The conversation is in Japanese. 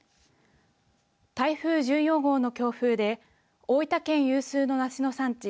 台風１４号の強風で大分県有数の梨の産地